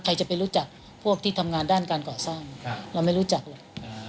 ใครจะไปรู้จักพวกที่ทำงานด้านการก่อสร้างเราไม่รู้จักหรอก